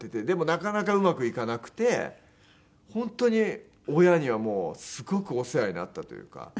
でもなかなかうまくいかなくて本当に親にはもうすごくお世話になったというか。